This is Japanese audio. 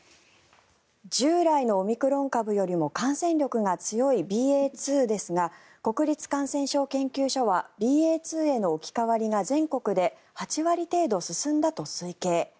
従来のオミクロン株よりも感染力が強いＢＡ．２ですが国立感染症研究所はＢＡ．２への置き換わりが全国で８割程度進んだと推計。